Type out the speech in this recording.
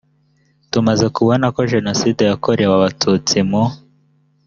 tumaze kubona ko jenoside yakorewe abatutsi mu